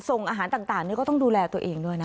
ส่งอาหารต่างนี่ก็ต้องดูแลตัวเองด้วยนะ